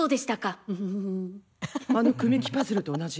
あの組み木パズルと同じ。